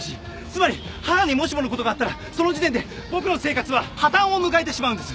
つまり母にもしものことがあったらその時点で僕の生活は破綻を迎えてしまうんです。